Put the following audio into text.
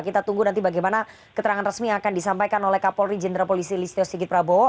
kita tunggu nanti bagaimana keterangan resmi yang akan disampaikan oleh kapolri jenderal polisi listio sigit prabowo